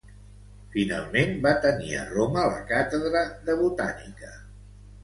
Finalment va tenir a Roma la càtedra de botànica.